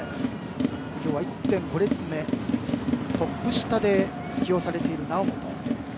今日は１．５列目トップ下で起用されている猶本。